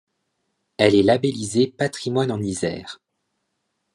Elle est labellisée Patrimoine en Isère.